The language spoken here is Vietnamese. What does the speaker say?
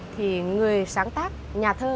thì người sáng tác nhà thơ